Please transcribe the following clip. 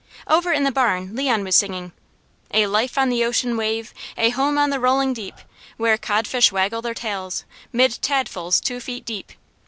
Over in the barn Leon was singing: "A life on the ocean wave, A home on the rolling deep, Where codfish waggle their tails 'Mid tadpoles two feet deep."